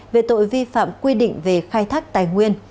về tội vi phạm quy định về khai thác tài nguyên